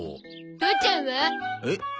父ちゃんは？えっ？